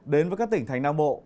đến với các tỉnh thành nam bộ